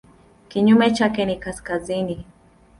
Kinyume chake ni kaskazini.